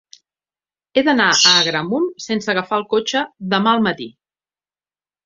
He d'anar a Agramunt sense agafar el cotxe demà al matí.